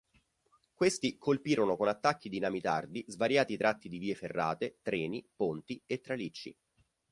Questi colpirono con attacchi dinamitardi svariati tratti di vie ferrate, treni, ponti e tralicci.